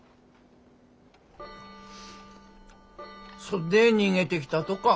そっで逃げてきたとか。